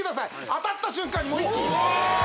当たった瞬間にもう一気にうわ！